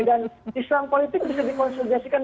dan islam politik bisa dimonstruksikan